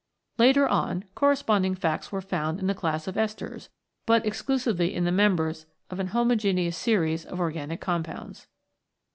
Later on, corresponding facts were found in the class of esters, but exclusively in the members of an homologous series of organic compounds.